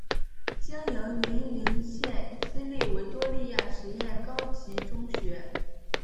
经营云林县私立维多利亚实验高级中学。